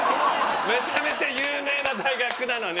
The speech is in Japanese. めちゃめちゃ有名な大学なのに。